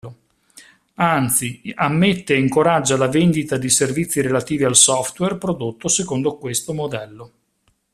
Anzi ammette e incoraggia la vendita di servizi relativi al software prodotto secondo questo modello.